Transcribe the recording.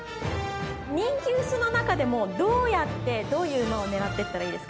人気薄の中でもどうやってどういう馬を狙ってったらいいですかね。